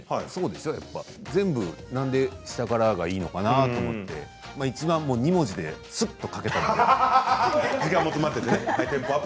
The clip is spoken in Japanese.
何で下からがいいのかなと思っていちばん２文字ですっと書けたので。